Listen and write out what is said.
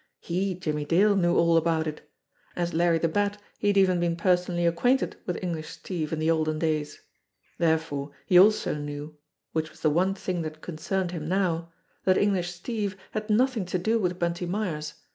He, Jimmie Dale, knew all about it. As Larry the Bat he had even been personally acquainted with English Steve in the olden days. Therefore he also knew which was the one thing that concerned him now that English Steve had nothing to do with Bunty Myers.